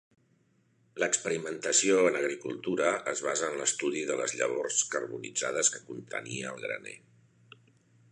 L'experimentació en agricultura es basa en l’estudi de les llavors carbonitzades que contenia el graner.